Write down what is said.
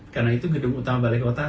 karena itu gedung utama balai kota